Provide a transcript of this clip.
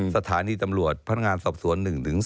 สถานีตำรวจพนักงานสอบสวน๑๒